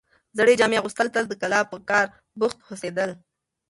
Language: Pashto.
زړې جامې اغوستل تل د کاله په کار بوخت هوسېدل،